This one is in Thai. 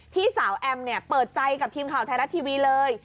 พี่สาวแอมเนี่ยเปิดใจกับทีมข่าวไทยรัฐทีวีเลย